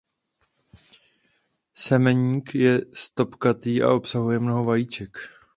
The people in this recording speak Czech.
Semeník je stopkatý a obsahuje mnoho vajíček.